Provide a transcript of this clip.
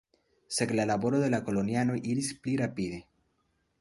Sed la laboro de la kolonianoj iris pli rapide.